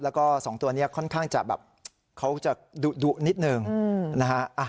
แล้วก็๒ตัวนี้ค่อนข้างจะแบบเขาจะดุนิดนึงนะฮะ